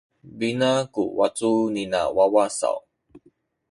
Pina ku wacu nina wawa saw?